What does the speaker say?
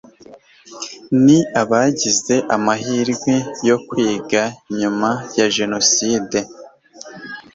ni abagize amahirwe yo kwiga nyuma ya jenoside